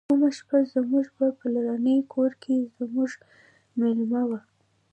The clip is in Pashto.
کومه شپه زموږ په پلرني کور کې زموږ میلمه و.